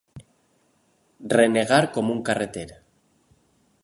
Renegar com un carreter.